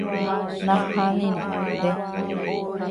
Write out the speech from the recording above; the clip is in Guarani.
Nahániri. Nde.